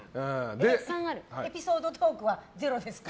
エピソードトークはゼロですか？